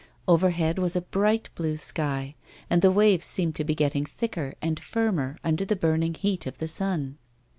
Overhead was a bright blue sky, and the waves seemed to be getting thicker and firmer under the burning heat of the sun.